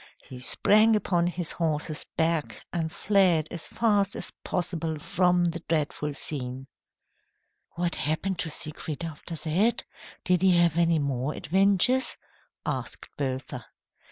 He sprang upon his horse's back and fled as fast as possible from the dreadful scene. "What happened to Siegfried after that? Did he have any more adventures?" asked Bertha.